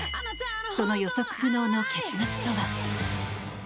その予測不能の結末とは。